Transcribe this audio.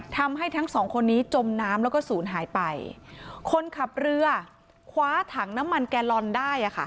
ทำให้ทั้งสองคนนี้จมน้ำแล้วก็ศูนย์หายไปคนขับเรือคว้าถังน้ำมันแกลลอนได้อ่ะค่ะ